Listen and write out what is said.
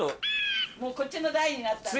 もうこっちの代になったんで。